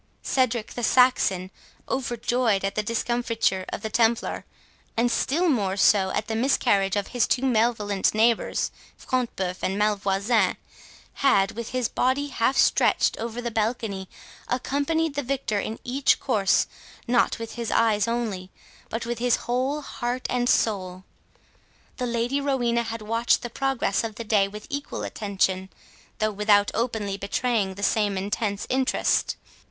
Cedric the Saxon, overjoyed at the discomfiture of the Templar, and still more so at the miscarriage of his two malevolent neighbours, Front de Bœuf and Malvoisin, had, with his body half stretched over the balcony, accompanied the victor in each course, not with his eyes only, but with his whole heart and soul. The Lady Rowena had watched the progress of the day with equal attention, though without openly betraying the same intense interest.